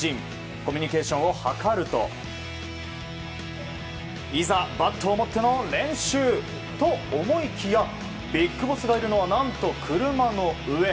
コミュニケーションを図るといざバットを持っての練習と思いきやビッグボスがいるのは何と車の上。